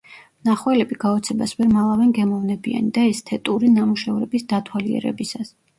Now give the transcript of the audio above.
მნახველები გაოცებას ვერ მალავენ გემოვნებიანი და ესთეტური ნამუშევრების დათვალიერებისას.